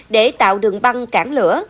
để tạo đường băng cản lửa